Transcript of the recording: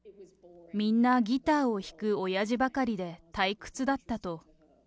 みんなギターを弾くおやじばかりで、退屈だったと。